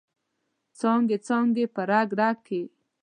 څانګې، څانګې په رګ، رګ کې